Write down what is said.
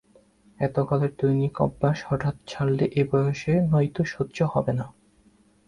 এতকালের দৈনিক অভ্যাস হঠাৎ ছাড়লে এ বয়সে হয়তো সহ্য হবে না।